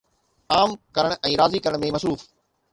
عام ڪرڻ ۽ راضي ڪرڻ ۾ مصروف